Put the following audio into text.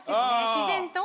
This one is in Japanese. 自然と。